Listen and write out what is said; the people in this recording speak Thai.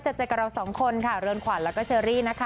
เจอกับเราสองคนค่ะเรือนขวัญแล้วก็เชอรี่นะคะ